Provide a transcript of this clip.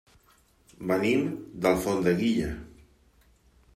Venim d'Alfondeguilla.